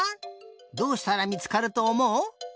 どうしたらみつかるとおもう？